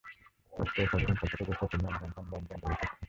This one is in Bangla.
ষষ্ঠ ও সপ্তম শতকে চট্টগ্রাম আরাকান রাজ্যের অন্তর্ভুক্ত ছিল।